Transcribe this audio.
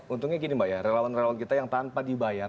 untungnya gini mbak ya relawan relawan kita yang tanpa dibayar